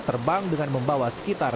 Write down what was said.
terbang dengan membawa terbang